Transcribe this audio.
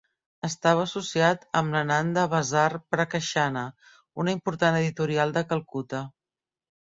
Estava associat amb l'Ananda Bazar Prakashana, una important editorial de Calcuta.